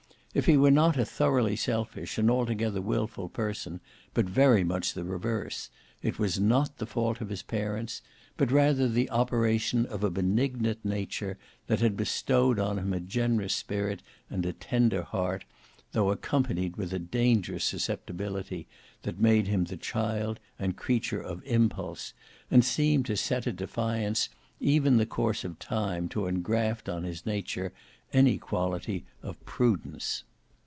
If he were not a thoroughly selfish and altogether wilful person, but very much the reverse, it was not the fault of his parents, but rather the operation of a benignant nature that had bestowed on him a generous spirit and a tender heart, though accompanied with a dangerous susceptibility that made him the child and creature of impulse, and seemed to set at defiance even the course of time to engraft on his nature any quality of prudence.